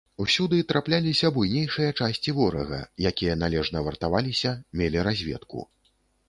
Усюды трапляліся буйнейшыя часці ворага, якія належна вартаваліся, мелі разведку.